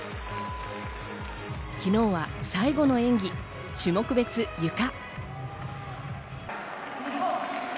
昨日は最後の演技、種目別ゆか。